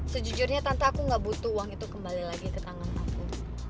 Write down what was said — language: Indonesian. sejujurnya tante aku gak butuh uang itu kembali lagi ke tangan aku